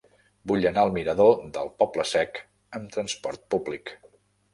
Vull anar al mirador del Poble Sec amb trasport públic.